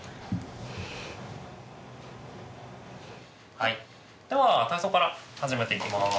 はいでは体操から始めていきます。